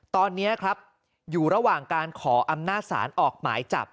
ตอนนี้ครับอยู่ระหว่างการขออำนาจศาลออกหมายจับ